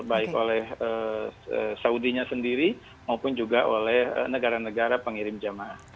baik oleh saudinya sendiri maupun juga oleh negara negara pengirim jamaah